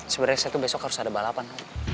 sebenarnya saya tuh besok harus ada balapan